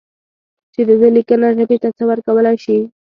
چې د ده لیکنه ژبې ته څه ورکولای شي.